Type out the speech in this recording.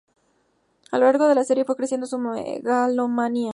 A lo largo de la serie fue creciendo su megalomanía.